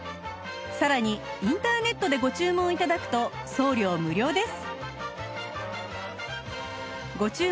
さらにインターネットでご注文頂くと送料無料です